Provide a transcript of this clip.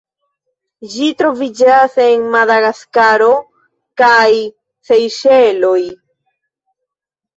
Ĝi troviĝas en Madagaskaro kaj Sejŝeloj.